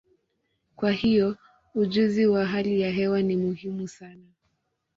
Kwa hiyo, ujuzi wa hali ya hewa ni muhimu sana.